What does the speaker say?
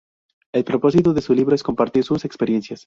El propósito de su libro es compartir sus experiencias.